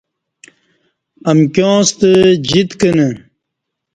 امکیوں ستہ جیت کنہ